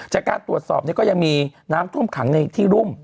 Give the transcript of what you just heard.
จากการตรวจสอบก็ยังมีน้ำท่วมขังในที่รุ่ม